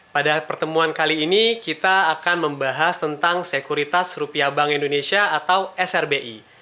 pada pertemuan kali ini kita akan membahas tentang sekuritas rupiah bank indonesia atau srbi